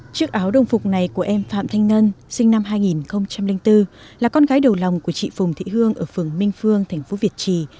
chiếc áo đồng phục này của em phạm thanh ngân sinh năm hai nghìn bốn là con gái đầu lòng của chị phùng thị hương ở phường minh phương thành phố việt trì